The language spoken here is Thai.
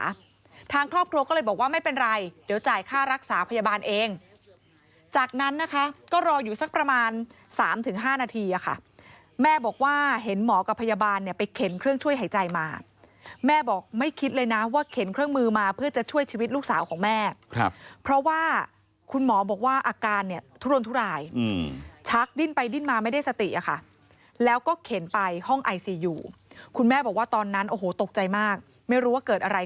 รักษาทางครอบครัวก็เลยบอกว่าไม่เป็นไรเดี๋ยวจ่ายค่ารักษาพยาบาลเองจากนั้นนะคะก็รออยู่สักประมาณ๓๕นาทีค่ะแม่บอกว่าเห็นหมอกับพยาบาลเนี่ยไปเข็นเครื่องช่วยหายใจมาแม่บอกไม่คิดเลยนะว่าเข็นเครื่องมือมาเพื่อจะช่วยชีวิตลูกสาวของแม่ครับเพราะว่าคุณหมอบอกว่าอาการเนี่ยทุนทุรายชักดิ้นไปดิ้นมาไม่ได้